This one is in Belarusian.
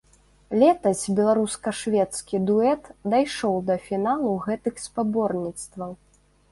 Летась беларуска-шведскі дуэт дайшоў да фіналу гэтых спаборніцтваў.